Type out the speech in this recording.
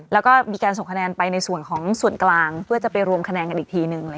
แล้วก็มีการส่งคะแนนไปในส่วนของส่วนกลางเพื่อจะไปรวมคะแนนกันอีกทีหนึ่ง